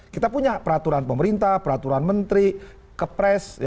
kita punya peraturan pemerintah peraturan menteri kepres